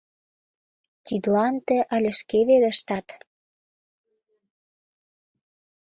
Тидлан тый але шке верештат.